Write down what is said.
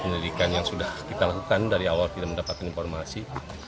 penyelidikan yang sudah kita lakukan dari awal tidak mendapatkan informasi